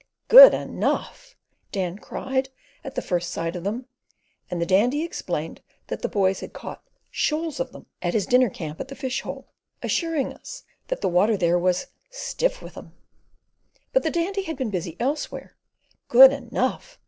"Good enough!" Dan cried at the first sight of them, and the Dandy explained that the boys had caught "shoals of 'em" at his dinner camp at the Fish Hole, assuring us that the water there was "stiff with 'em." But the Dandy had been busy elsewhere. "Good enough!"